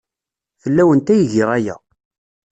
Fell-awent ay giɣ aya.